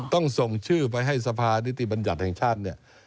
ต้องส่งชื่อไปให้สภานิติบัญญัติแห่งชาติเนี่ย